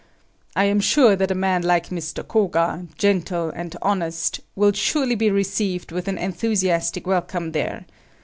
I am sure that a man like Mr. Koga, gentle and honest, will surely be received with an enthusiastic welcome there.